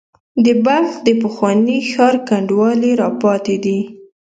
د بلخ د پخواني ښار کنډوالې را پاتې دي.